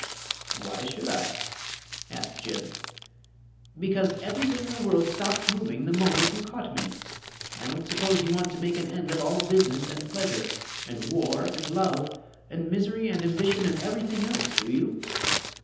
"Why should I?" asked Jim. "Because everything in the world stopped moving the moment you caught me. I don't suppose you want to make an end of all business and pleasure, and war and love, and misery and ambition and everything else, do you?